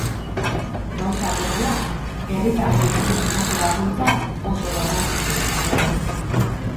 Gauzak horrela, herritar guztien boto bakoitza oso garrantzitsua izango da.